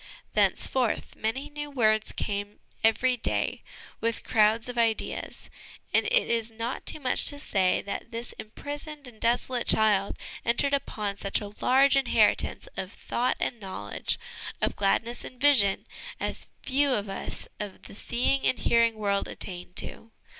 Thenceforth, many new words came every day with crowds of ideas ; and it is not too much to say that this imprisoned and desolate child entered upon such a large inheritance of thought and knowledge, of gladness and vision, as few of us of the seeing and hearing world attain to.